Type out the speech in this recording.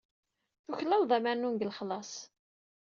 Tuklaleḍ ad m-rnun deg lexlaṣ.